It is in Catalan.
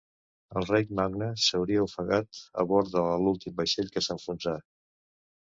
El rei Magne s'hauria ofegat a bord de l'últim vaixell que s'enfonsà.